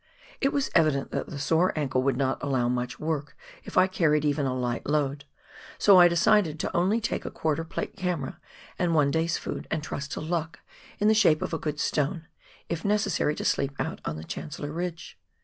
It was evident that the sore ankle would not allow much work if I carried even a light load, so I decided to only take the quarter plate camera and one day's food, and trust to luck in the shape of a good stone, if necessary to sleep out on the Chancellor Ridge.